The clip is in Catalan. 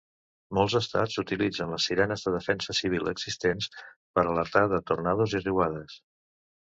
Molts estats utilitzen les sirenes de defensa civil existents per alertar de tornados i riuades.